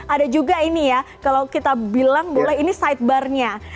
ada juga ini ya kalau kita bilang boleh ini sidebarnya